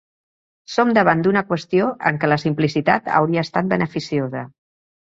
Som davant d'una qüestió en què la simplicitat hauria estat beneficiosa.